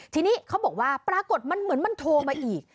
ทีนี้เขาบอกว่าปรากฏมันเหมือนมันโทรมาอีก